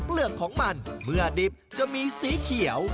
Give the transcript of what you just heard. เรื่องของมันเมื่อดิบจะมีสีเขียว